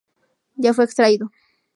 Ya fue extraído.